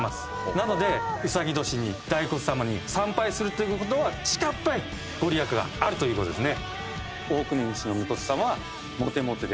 なので卯年に大国様に参拝するということはちかっぱい御利益があるということですね。